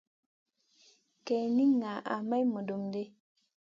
Kay di ŋaha may mudum ɗi.